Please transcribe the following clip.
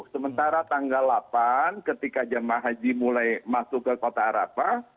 sementara tanggal delapan ketika jemaah haji mulai masuk ke kota arafah